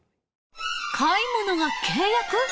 買い物が契約？